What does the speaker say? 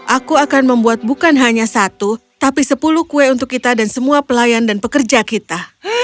aku akan membuat bukan hanya satu tapi sepuluh kue untuk kita dan semua pelayan dan pekerja kita